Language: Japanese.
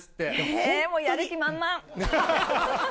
えー、やる気満々。